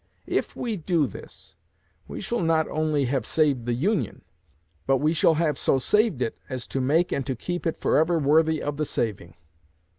If we do this, we shall not only have saved the Union, but we shall have so saved it as to make and to keep it forever worthy of the saving.